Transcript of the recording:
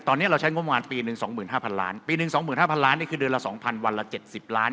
ตอนนี้เราใช้งบประมาณปีหนึ่ง๒๕๐๐ล้านปีหนึ่ง๒๕๐๐ล้านนี่คือเดือนละ๒๐๐วันละ๗๐ล้าน